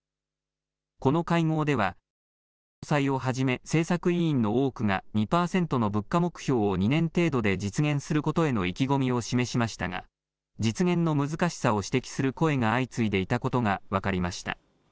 この会合では黒田総裁をはじめ政策委員の多くが２％の物価目標を２年程度で実現することへの意気込みを示しましたが実現の難しさを指摘する声が相次いでいたことが分かりました。